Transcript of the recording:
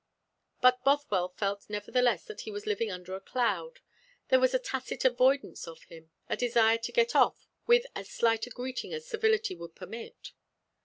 But Bothwell felt nevertheless that he was living under a cloud; there was a tacit avoidance of him, a desire to get off with as slight a greeting as civility would permit.